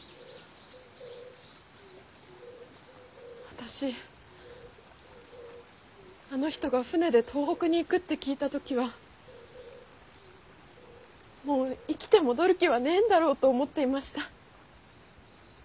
私あの人が船で東北に行くって聞いた時はもう生きて戻る気はねぇんだろうと思っていました。